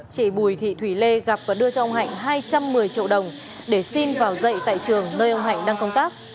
chị bùi thị thủy lê gặp và đưa cho ông hạnh hai trăm một mươi triệu đồng để xin vào dạy tại trường nơi ông hạnh đang công tác